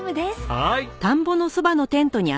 はい！